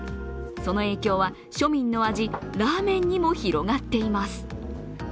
その影響は庶民の味、ラーメンにも広がっています。